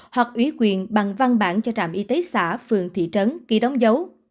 hoặc ủy quyền bằng văn bản cho trạm y tế xã phường thị trấn ký đóng dấu